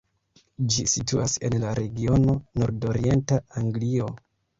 Ĝi situas en la regiono nordorienta Anglio.